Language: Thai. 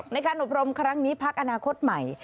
ในการอบรมครั้งนี้พักอนาคตใหม่